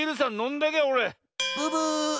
ブブーッ！